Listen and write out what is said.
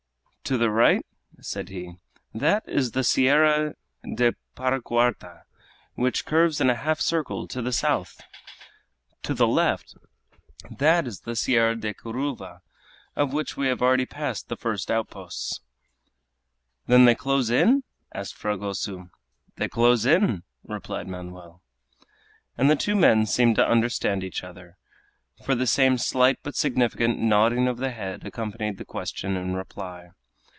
"To the right," said he, "that is the Sierra de Paracuarta, which curves in a half circle to the south! To the left, that is the Sierra de Curuva, of which we have already passed the first outposts." "Then they close in?" asked Fragoso. "They close in!" replied Manoel. And the two young men seemed to understand each other, for the same slight but significant nodding of the head accompanied the question and reply.